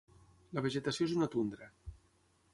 La vegetació és una tundra.